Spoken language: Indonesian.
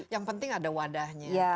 yang penting ada wadahnya